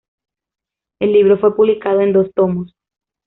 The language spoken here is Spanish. El libro fue publicado en dos tomos.